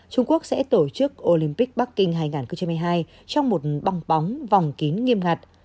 trung quốc sẽ tổ chức olympic bắc kinh hai nghìn hai mươi hai trong một băng bóng vòng kín nghiêm ngặt